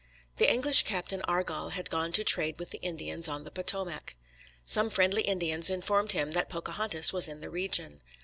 The English Captain Argall had gone to trade with the Indians on the Potomac. Some friendly Indians informed him that Pocahontas was in the region.